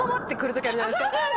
あるじゃないですかうわ！